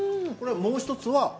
これもう一つは？